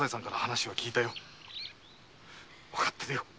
わかってるよ。